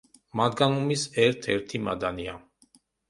მანგანუმის ერთ-ერთი მადანია.